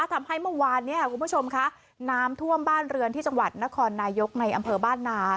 ทำให้เมื่อวานเนี่ยคุณผู้ชมค่ะน้ำท่วมบ้านเรือนที่จังหวัดนครนายกในอำเภอบ้านนา